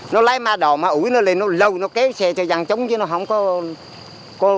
nó lái ma đồ mà ủi nó lên nó lâu nó kéo xe cho dằn trống chứ nó không có